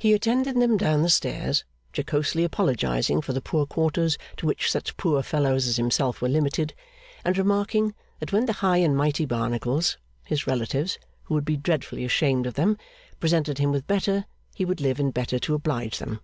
He attended them down the staircase, jocosely apologising for the poor quarters to which such poor fellows as himself were limited, and remarking that when the high and mighty Barnacles, his relatives, who would be dreadfully ashamed of them, presented him with better, he would live in better to oblige them.